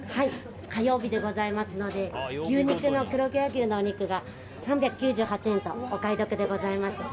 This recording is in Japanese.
火曜日でございますので牛肉の黒毛和牛のお肉が３９８円とお買い得でございます。